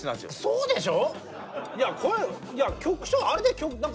そうでしょ？